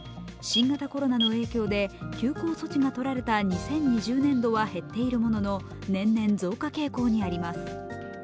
新型コロナの影響で休校措置が取られた２０２０年度は減っているものの年々増加傾向にあります。